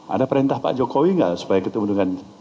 ada perintah pak jokowi nggak supaya ketemu dengan